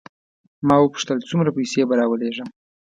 ما وپوښتل څومره پیسې به راولېږم.